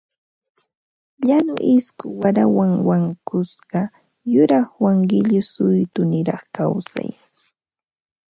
Llañu isku qarawan wankusqa yuraqwan qillu suytuniraq kawsay